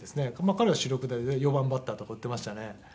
「彼は主力で４番バッターとか打ってましたね」